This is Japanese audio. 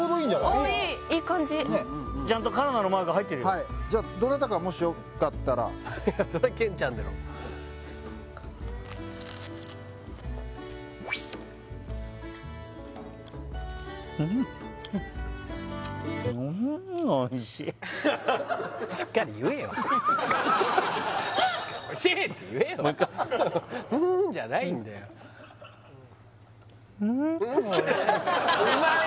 ああいいいい感じちゃんとカナダのマーク入ってるよじゃどなたかもしよかったらそりゃ兼ちゃんだろうん言えよ「うん」じゃないんだようんおいしい